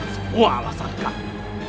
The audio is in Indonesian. semua alasan kamu